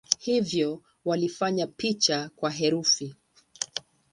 Hivyo walifanya picha kuwa herufi.